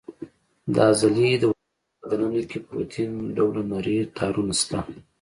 د عضلې د حجرو په دننه کې پروتین ډوله نري تارونه شته.